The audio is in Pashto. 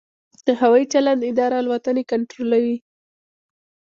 د هوايي چلند اداره الوتنې کنټرولوي